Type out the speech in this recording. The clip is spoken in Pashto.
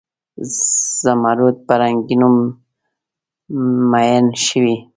زمرود په رنګینیو میین شوي